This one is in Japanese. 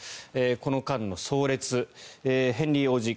この間の葬列ヘンリー王子